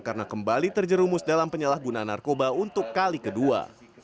karena kembali terjerumus dalam penyalahgunaan narkoba untuk kali kedua